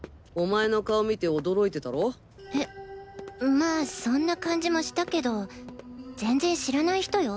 まあそんな感じもしたけど全然知らない人よ。